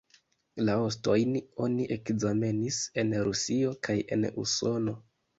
La ostojn oni ekzamenis en Rusio kaj en Usono.